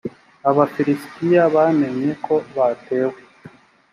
abafilisitiya bamenye ko batewe